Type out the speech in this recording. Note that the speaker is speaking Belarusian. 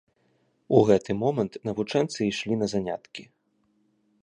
У гэты момант навучэнцы ішлі на заняткі.